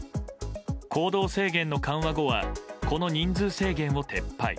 行動制限の緩和などはこの人数制限を撤廃。